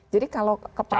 jadi kalau kepalanya